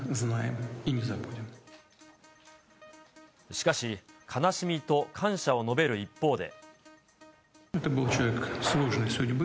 しかし、悲しみと感謝を述べる一方で。